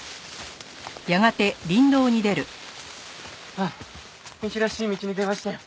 あっ道らしい道に出ましたよ。